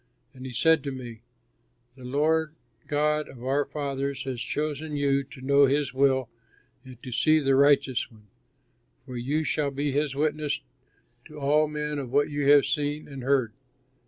And he said to me, 'The God of our fathers has chosen you to know his will and to see the Righteous One. For you shall be his witness to all men of what you have seen and heard.'